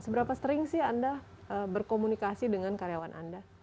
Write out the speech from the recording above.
seberapa sering sih anda berkomunikasi dengan karyawan anda